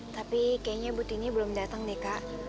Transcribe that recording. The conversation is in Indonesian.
tapi kayaknya butini belum dateng deh kak